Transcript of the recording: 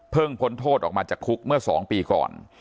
เพิ่งพ้นโทษออกมาจากคุกเมื่อสองปีก่อน